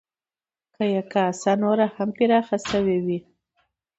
که کاسه یې نوره هم پراخه شوې وی،